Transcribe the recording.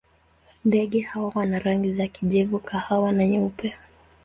Ndege hawa wana rangi za kijivu, kahawa na nyeupe.